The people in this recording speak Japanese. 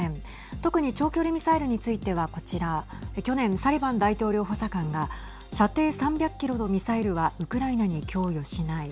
特に長距離ミサイルについてはこちら去年、サリバン大統領補佐官が射程３００キロのミサイルはウクライナに供与しない。